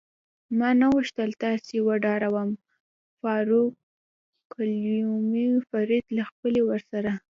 ما نه غوښتل تاسې وډاروم، فاروقلومیو فرید له خپلې ورسره.